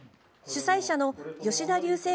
主催者の吉田龍勢